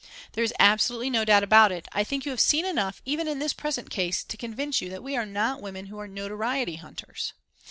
There is absolutely no doubt about it. I think you have seen enough even in this present case to convince you that we are not women who are notoriety hunters.